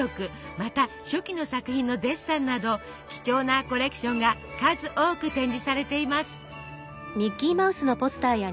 また初期の作品のデッサンなど貴重なコレクションが数多く展示されています。